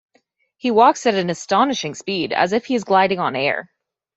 He walks at an astonishing speed, as if he is gliding on air.